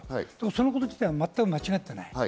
そのこと自体は全く間違ってない。